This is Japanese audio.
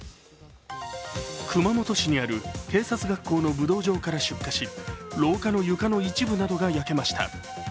熊本市にある警察学校の武道場から出火し廊下の床の一部などが焼けました。